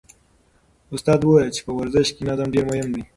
استاد وویل چې په ورزش کې نظم ډېر مهم دی.